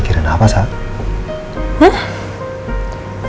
ini kira kira apa saat itu